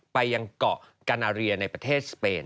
ไปยังเกาะกานาเรียในประเทศสเปน